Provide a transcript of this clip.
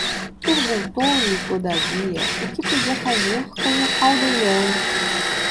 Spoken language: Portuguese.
Perguntou-lhe, todavia, o que podia fazer com o caldeirão